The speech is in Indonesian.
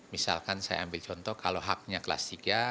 misalkan saya ambil contoh kalau haknya kelas tiga